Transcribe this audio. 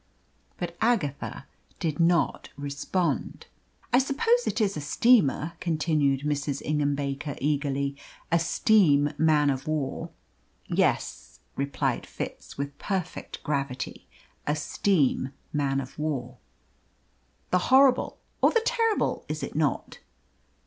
But Agatha did not respond. "I suppose it is a steamer," continued Mrs. Ingham Baker eagerly. "A steam man of war." "Yes," replied Fitz, with perfect gravity, "a steam man of war." "The Horrible or the Terrible, is it not?"